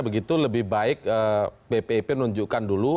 begitu lebih baik bpip nunjukkan dulu